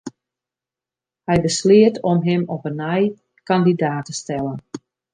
Hy besleat om him op 'e nij kandidaat te stellen.